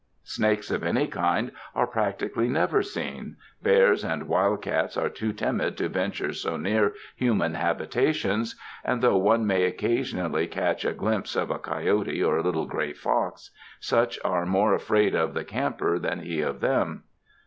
Snakes of any kind are practically never seen, bears and wild cats are too timid to venture so near human habita tions, and though one may occasionally catch a glimpse of a coyote or a little gray fox, such are more afraid of the camper than he of them.